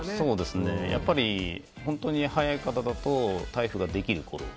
やっぱり、本当に早い方だと台風ができるころ。